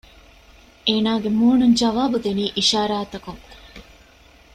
އޭނާގެ މޫނުން ޖަވާބު ދިނީ އިޝާރާތަކުން